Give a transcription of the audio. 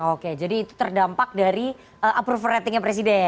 oke jadi itu terdampak dari approval rating presiden